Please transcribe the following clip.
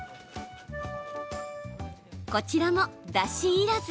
こちらも、だしいらず。